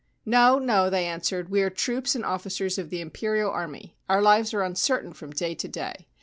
' No, no/ they answered. ' We are troops and officers of the Imperial Army : our lives are uncertain from day to day.